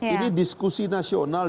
ini diskusi nasional